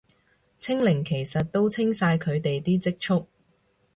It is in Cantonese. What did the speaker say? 清零其實都清晒佢哋啲儲備